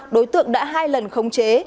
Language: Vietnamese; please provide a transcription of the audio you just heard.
đối tượng đã hai lần không chế